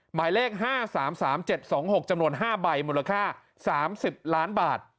หมายเลขห้าสามสามเจ็ดสองหกจำนวนห้าใบมูลค่าสามสิบล้านบาท